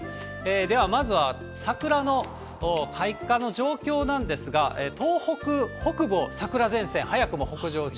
では、まずは桜の開花の状況なんですが、東北北部を桜前線、早くも北上中。